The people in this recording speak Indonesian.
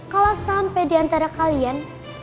kalau sampai diantara kalian